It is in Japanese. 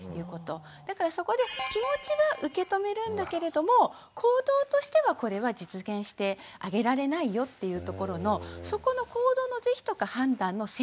だからそこで気持ちは受け止めるんだけれども行動としてはこれは実現してあげられないよっていうところのそこの行動の是非とか判断の線引きをするっていうこと。